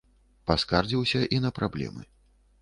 Паскардзіўся і на праблемы.